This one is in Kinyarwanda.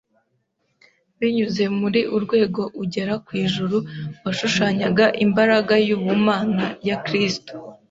Binyuze muri urwego ugera ku ijuru washushanyaga imbaraga y’ubumana ya Kristo